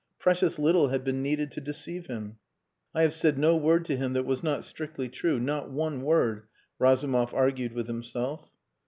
Precious little had been needed to deceive him. "I have said no word to him that was not strictly true. Not one word," Razumov argued with himself.